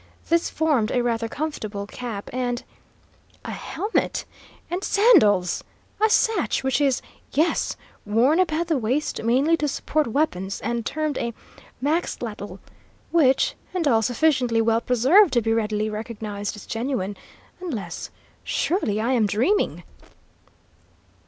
This formed a rather comfortable cap, and " "A helmet! And sandals! A sash which is yes! worn about the waist, mainly to support weapons, and termed a maxtlatl, which and all sufficiently well preserved to be readily recognised as genuine unless Surely I am dreaming!"